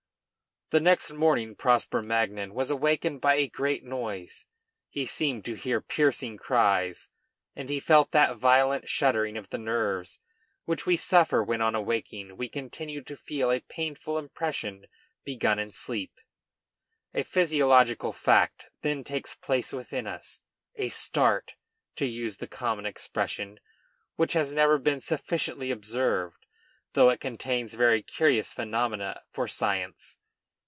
] The next morning Prosper Magnan was awakened by a great noise. He seemed to hear piercing cries, and he felt that violent shuddering of the nerves which we suffer when on awaking we continue to feel a painful impression begun in sleep. A physiological fact then takes place within us, a start, to use the common expression, which has never been sufficiently observed, though it contains very curious phenomena for science.